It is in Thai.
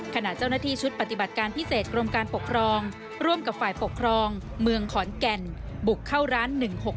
ขณะเจ้าหน้าที่ชุดปฏิบัติการพิเศษกรมการปกครองร่วมกับฝ่ายปกครองเมืองขอนแก่นบุกเข้าร้าน๑๖๖